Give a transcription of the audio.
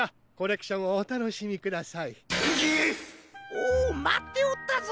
おおまっておったぞ！